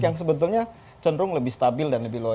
yang sebetulnya cenderung lebih stabil dan lebih luas